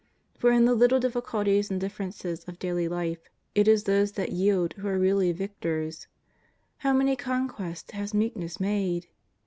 For in the little difficulties and differences of daily life, it is those that yield who are really victory. How many conquests has meekness made